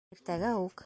Иртәгә үк!